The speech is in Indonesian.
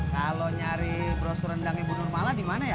kalau nyari bros rendang ibu nurmala di mana ya